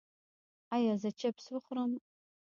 ایا زه چپس وخورم؟